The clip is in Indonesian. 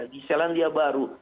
di selandia baru